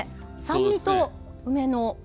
酸味と梅の。